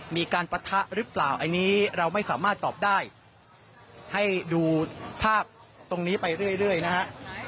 ปะทะหรือเปล่าอันนี้เราไม่สามารถตอบได้ให้ดูภาพตรงนี้ไปเรื่อยนะฮะ